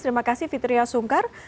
terima kasih fitriah sungkar